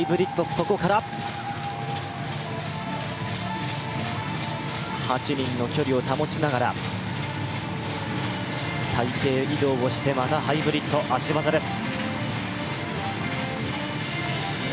そこから８人の距離を保ちながら隊形移動をしてまたハイブリッド、脚技です。